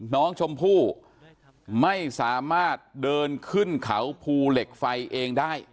น้องชมพู่ไม่สามารถเดินขึ้นเขาภูเหล็กไฟเองได้